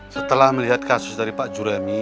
setelah melihat kasus dari pak juremi